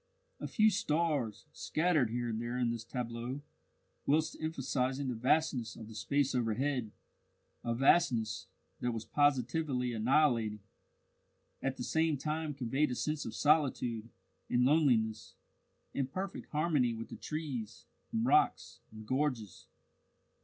A few stars, scattered here and there in this tableau, whilst emphasizing the vastness of the space overhead a vastness that was positively annihilating at the same time conveyed a sense of solitude and loneliness, in perfect harmony with the trees, and rocks, and gorges.